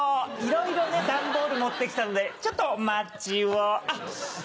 いろいろ段ボール持って来たんでちょっとお待ちをあ！